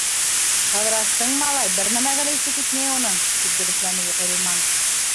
Ҡыҙырастың, малай, бер нәмәгә лә иҫе китмәй уның, -тип дөрөҫләне Ғилман.